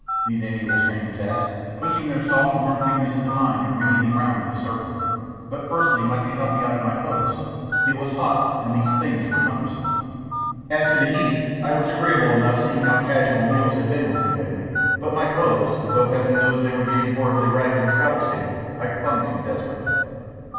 these amiable strangers asked, pushing their soft warm fingers into mine and ringing me round with a circle. "But firstly might they help me out of my clothes? It was hot, and these things were cumbersome." As to the eating, I was agreeable enough seeing how casual meals had been with me lately, but my clothes, though Heaven knows they were getting horribly ragged and travel stained, I clung to desperately.